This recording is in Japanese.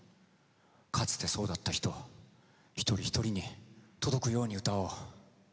かつてそうだった人一人一人に届くように歌おう。